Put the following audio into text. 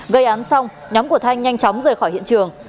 gây án xong nhóm của thanh nhanh chóng rời khỏi hiện trường